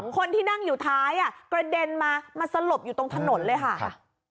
คนที่นั่งอยู่ท้ายกระเด็นมามาสลบอยู่ตรงถนนเลยค่ะ